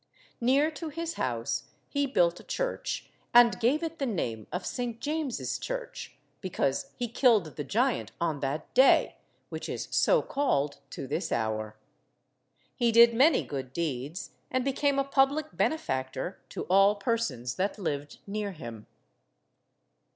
Near to his house he built a church and gave it the name of St. James's Church, because he killed the giant on that day, which is so called to this hour. He did many good deeds, and became a public benefactor to all persons that lived near him.